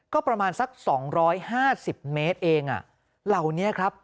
ก็ประมาณสัก๒๕๐เมตรเองเหล่านี้ครับ